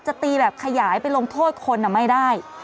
จะตีแบบขยายไปลงโทษคนไม่ได้